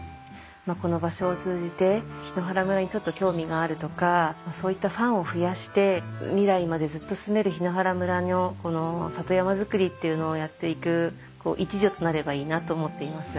この場所を通じて檜原村にちょっと興味があるとかそういったファンを増やして未来までずっと住める檜原村のこの里山づくりっていうのをやっていく一助となればいいなと思っています。